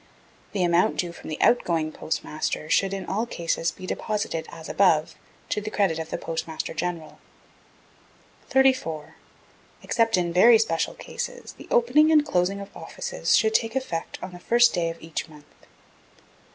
The amount due from the out going Postmaster should, in all cases, be deposited as above, to the credit of the Postmaster General. 34. Except in very special cases, the opening and closing of offices should take effect on the first day of each month.